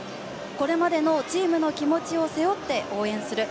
これまでのチームの気持ちを背負って応援する。